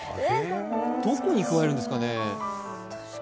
どこに加えるんですかねえ。